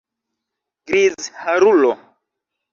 Grizharulo!